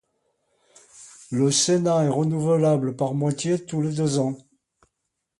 Le Sénat est renouvelable par moitié tous les deux ans.